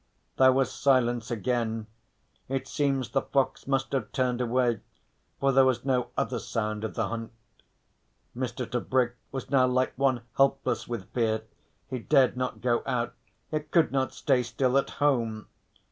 There was silence again; it seems the fox must have turned away, for there was no other sound of the hunt. Mr. Tebrick was now like one helpless with fear, he dared not go out, yet could not stay still at home.